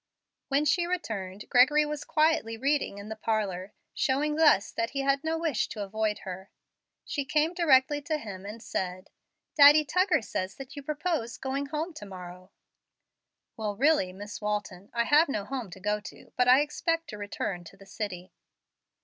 When she returned, Gregory was quietly reading in the parlor, showing thus that he had no wish to avoid her. She came directly to him and said, "Daddy Tuggar says that you propose going home to morrow." "Well, really, Miss Walton, I have no home to go to; but I expect to return to the city."